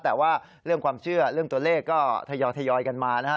แต่ว่าเรื่องความเชื่อเรื่องตัวเลขก็ทยอยกันมานะฮะ